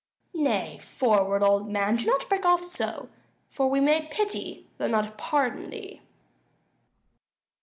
_ Nay, forward, old man; do not break off so; For we may pity, though not pardon thee.